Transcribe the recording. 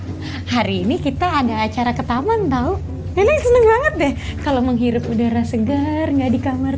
seneng neng gitu hari ini kita ada acara ke taman tahu kalau menghirup udara segar enggak di kamar